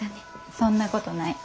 そんなことない。